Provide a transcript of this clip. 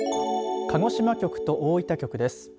鹿児島局と大分局です。